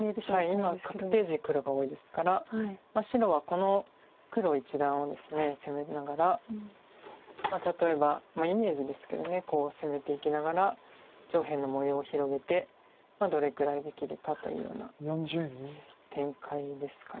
今確定地黒が多いですから白はこの黒一団をですね攻めながら例えばイメージですけどこう攻めていきながら上辺の模様を広げてどれぐらいできるかというような展開ですか。